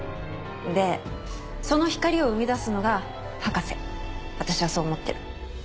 でその光を生み出すのが博士私はそう思ってる。